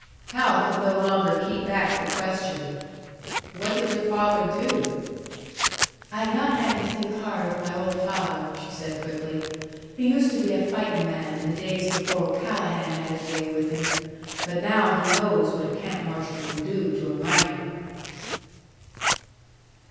Hal could no longer keep back the question, "What did your father do?" "I'd not have ye think hard of my old father," she said, quickly. "He used to be a fightin' man, in the days before O'Callahan had his way with him. But now he knows what a camp marshal can do to a miner!"